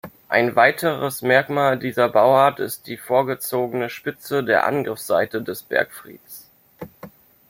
Ein weiteres Merkmal dieser Bauart ist die vorgezogene Spitze der Angriffsseite des Bergfrieds.